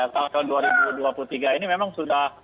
tahun tahun dua ribu dua puluh tiga ini memang sudah